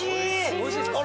おいしいですか。